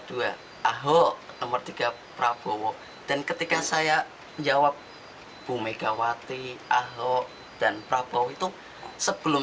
dua ahok nomor tiga prabowo dan ketika saya menjawab bu megawati ahok dan prabowo itu sebelum